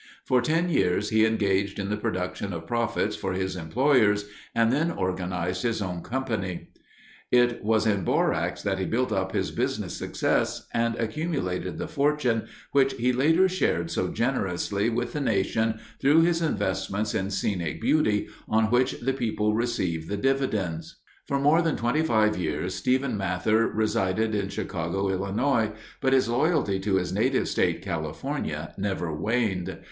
For ten years he engaged in the production of profits for his employers and then organized his own company. It was in borax that he built up his business success and accumulated the fortune which "he later shared so generously with the nation through his investments in scenic beauty on which the people receive the dividends." For more than twenty five years Stephen Mather resided in Chicago, Illinois, but his loyalty to his native state, California, never waned.